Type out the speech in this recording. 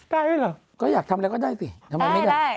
ได้ด้วยเหรอก็อยากทำอะไรก็ได้สิทำไมไม่ได้